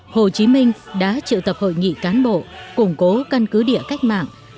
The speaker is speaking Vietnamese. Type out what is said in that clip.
hồ chí minh đã triệu tập hội nghị cán bộ củng cố căn cứ địa cách mạng